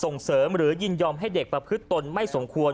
ส่งเสริมหรือยินยอมให้เด็กประพฤติตนไม่สมควร